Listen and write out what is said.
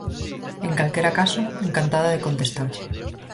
En calquera caso, encantada de contestarlle.